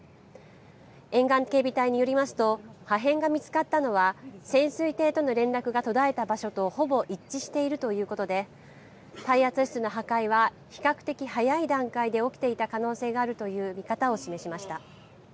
沿岸警備隊によりますと、破片が見つかったのは、潜水艇との連絡が途絶えた場所とほぼ一致しているということで、耐圧室の破壊は比較的早い段階で起きていた可能性があるという見方を示しました。